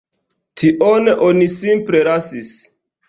Tion oni simple lasis.